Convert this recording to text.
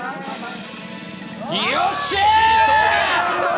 よし！